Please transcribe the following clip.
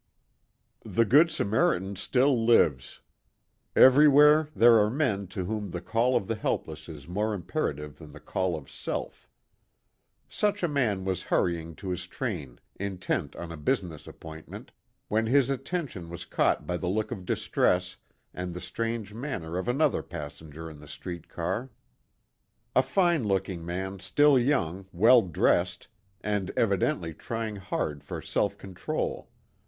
Good Samaritan still lives. Every where there are men to whom the call of the helpless is more imperative than the call of self. Such a man was hurrying to his train intent on a business appointment, when his attention was caught by the look of distress and the strange manner of another passenger in the street car, a fine looking man still young, well dressed, and evidently trying hard for self control.